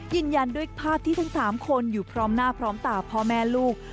ยืนยันด้วยภาพที่ทั้ง๓คนอยู่พร้อมหน้าพร้อมตาพ่อแม่ลูก